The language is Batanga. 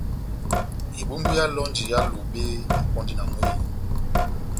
Ebumbu yá elɔnji yá Lobe epɔndi na mwehé.